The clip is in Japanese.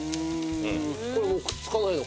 これもくっつかないのか。